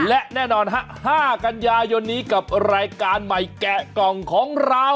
และแน่นอน๕กันยายนนี้กับรายการใหม่แกะกล่องของเรา